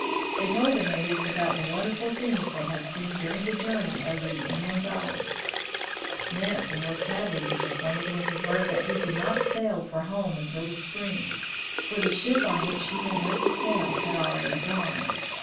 They told the natives about the wonderful things that they had seen during the journey over the inland ice. 120 THE FROZEN NORTH Nansen was sadly disappointed when he heard that he could not sail for home until the spring, for the ship on which he had hoped to sail had already gone.